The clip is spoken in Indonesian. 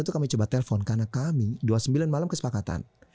tiga puluh satu kami coba telpon karena kami dua puluh sembilan malam kesepakatan